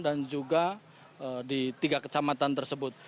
dan juga di tiga kecamatan tersebut